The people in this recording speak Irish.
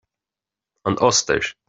An Ostair